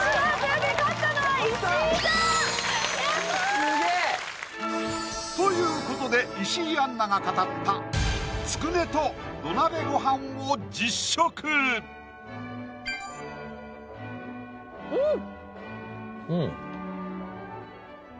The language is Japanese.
スゲえ！ということで石井杏奈が語ったつくねと土鍋ご飯を実食んっ！